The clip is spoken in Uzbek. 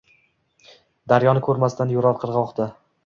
Daryoni ko’rmasdan yurar qig’oqda.